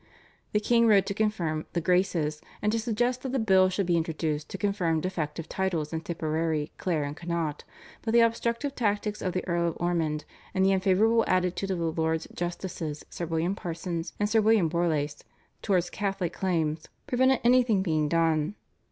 The king wrote to confirm the "Graces," and to suggest that a bill should be introduced to confirm defective titles in Tipperary, Clare, and Connaught, but the obstructive tactics of the Earl of Ormond, and the unfavourable attitude of the Lords Justices, Sir William Parsons and Sir William Borlase, towards Catholic claims, prevented anything being done.